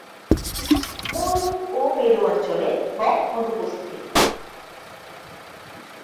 মরু ও মেরু অঞ্চলে বক অনুপস্থিত।